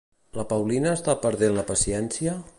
La Paulina està perdent la paciència?